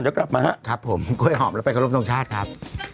เดี๋ยวกลับมาครับผมกล้วยหอมแล้วไปขอรบทรงชาติครับ